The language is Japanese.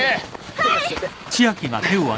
はい。